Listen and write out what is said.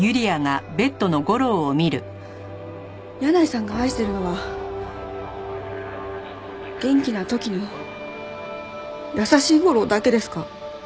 箭内さんが愛してるのは元気な時の優しい吾良だけですか？